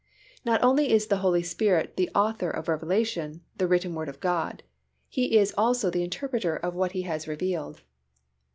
Not only is the Holy Spirit the Author of revelation, the written Word of God: He is also the Interpreter of what He has revealed.